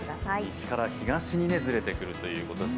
西から東にずれてくるということです。